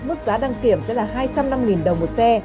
mức giá đăng kiểm sẽ là hai trăm linh năm đồng một xe